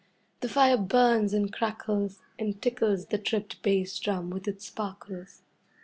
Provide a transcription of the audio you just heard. The fire burns and crackles, and tickles the tripped bass drum with its sparkles.